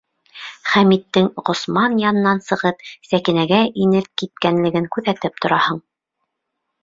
Хәмиттең Ғосман янынан сығып, Сәкинәгә инеп киткәнлеген күҙәтеп тораһың.